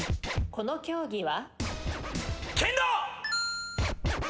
この競技は？